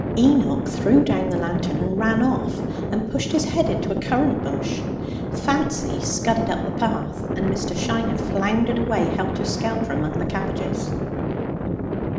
Enoch threw down the lantern, and ran off and pushed his head into a currant bush; Fancy scudded up the path; and Mr. Shiner floundered away helter skelter among the cabbages.